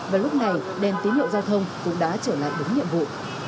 và lúc này đèn tín hiệu giao thông cũng đã trở lại đúng nhiệm vụ